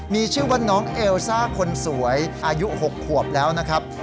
มีชื่อว่าน้องเอลซ่าคนสวยอายุ๖ขวบแล้วนะครับ